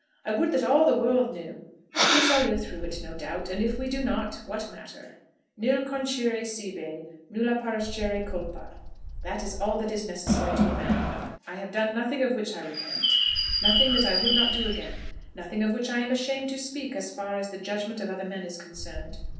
I would that all the world knew. But we shall live through it, no doubt. And if we do not, what matter. 'Nil conscire sibi, nulla pallescere culpa.' That is all that is necessary to a man. I have done nothing of which I repent; nothing that I would not do again; nothing of which I am ashamed to speak as far as the judgment of other men is concerned.